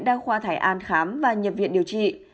theo khoa thải an khám và nhập viện điều trị